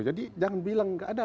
jadi jangan bilang nggak ada